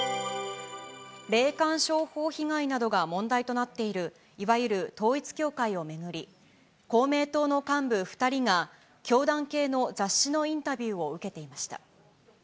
霊感商法被害などが問題となっている、いわゆる統一教会を巡り、公明党の幹部２人が、教団系の雑誌のインタビューを受けていました。